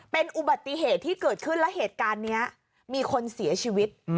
เป็นอุบัติเหตุที่เกิดขึ้นและเหตุการณ์นี้มีคนเสียชีวิต